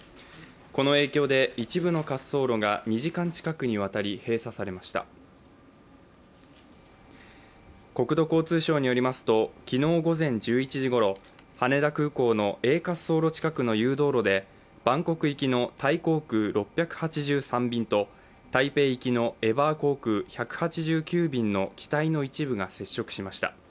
この影響で一部の滑走路が２時間近くにわたり閉鎖されました国土交通省によりますと、昨日午前１１時ごろ、羽田空港のＡ滑走路近くの誘導路でバンコク行きのタイ航空６８３便と台北行きのエバー航空１８９便の機体の一部が接触しました。